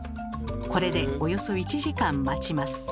これでおよそ１時間待ちます。